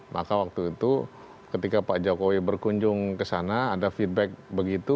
maka waktu itu ketika pak jokowi berkunjung ke sana ada feedback begitu